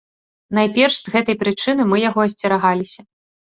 Найперш, з гэтай прычыны мы яго асцерагаліся.